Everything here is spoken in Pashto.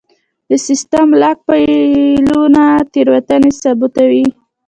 د سیسټم لاګ فایلونه تېروتنې ثبتوي.